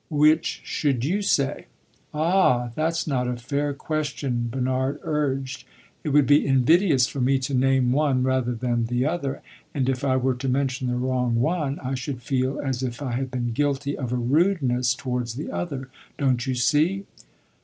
"Which should you say?" "Ah, that 's not a fair question," Bernard urged. "It would be invidious for me to name one rather than the other, and if I were to mention the wrong one, I should feel as if I had been guilty of a rudeness towards the other. Don't you see?"